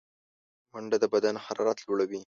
منډه د بدن حرارت لوړوي